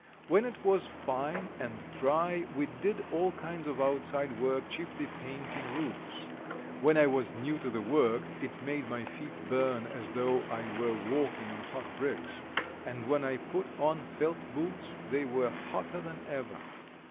When it was fine and dry we did all kinds of outside work, chiefly painting roofs. When I was new to the work it made my feet burn as though I were walking on hot bricks, and when I put on felt boots they were hotter than ever.